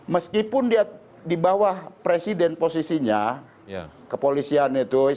meskipun dia di bawah presiden posisinya kepolisian itu